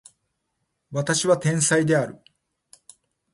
私は天才である